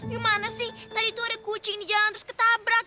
gimana sih tadi itu ada kucing di jalan terus ketabrak